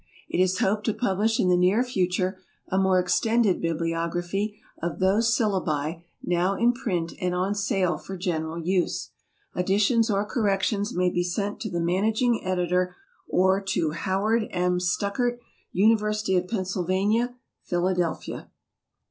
It is hoped to publish in the near future a more extended bibliography of those syllabi now in print and on sale for general use. Additions or corrections may be sent to the managing editor, or to Howard M. Stuckert, University of Pennsylvania, Philadelphia.